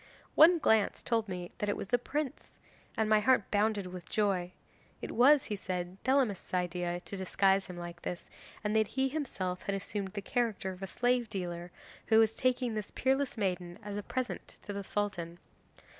One glance told me that it was the prince, and my heart bounded with joy. It was, he said, Thelamis's idea to disguise him like this, and that he himself had assumed the character of a slave dealer who was taking this peerless maiden as a present to the Sultan.